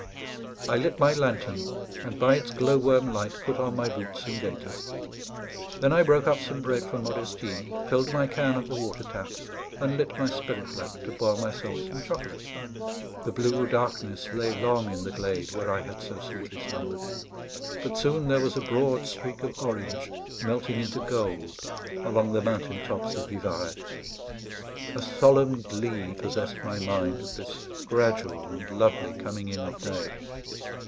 I lit my lantern, and by its glow worm light put on my boots and gaiters; then I broke up some bread for Modestine, filled my can at the water tap, and lit my spirit lamp to boil myself some chocolate. The blue darkness lay long in the glade where I had so sweetly slumbered; but soon there was a broad streak of orange melting into gold along the mountain tops of Vivarais. A solemn glee possessed my mind at this gradual and lovely coming in of day.